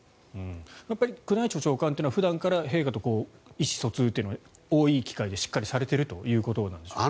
宮内庁長官というのは普段から陛下と意思疎通というのは多い機会でしっかりされているということでしょうか？